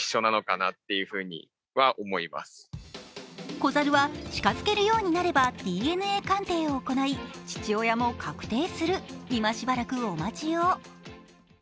小猿は近づけるようになればＤＮＡ鑑定を行い父親も確定する、今しばらくお待ちを。